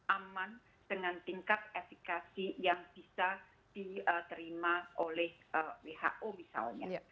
aman dengan tingkat efikasi yang bisa diterima oleh who misalnya